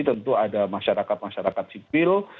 tentu ada masyarakat masyarakat sipil